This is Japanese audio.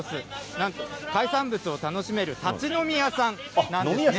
なんと海産物を楽しめる立ち飲み屋さんなんですね。